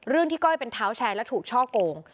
เรื่องที่ก้อยเป็นเท้าแชร์และถูกช่อโกง